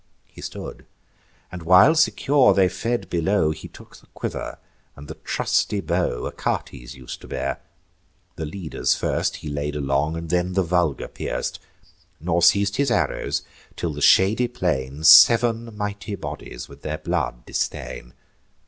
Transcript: He stood; and, while secure they fed below, He took the quiver and the trusty bow Achates us'd to bear: the leaders first He laid along, and then the vulgar pierc'd; Nor ceas'd his arrows, till the shady plain Sev'n mighty bodies with their blood distain.